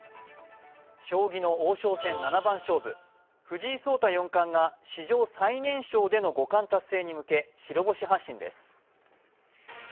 将棋の王将戦七番勝負、藤井聡太四冠が史上最年少での五冠達成に向け白星発進です。